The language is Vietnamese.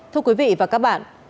thưa quý vị và các bạn